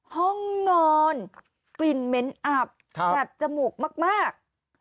ห้องนอนกลิ่นเหม็นอับแบบจมูกมาก